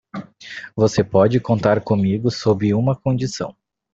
Você pode contar comigo sob uma condição.